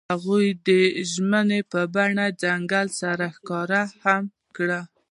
هغوی د ژمنې په بڼه ځنګل سره ښکاره هم کړه.